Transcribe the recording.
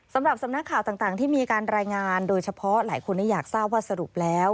สำหรับสำนักข่าวต่างที่มีการรายงานโดยเฉพาะหลายคนอยากทราบว่าสรุปแล้ว